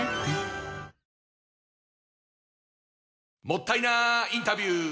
もったいなインタビュー！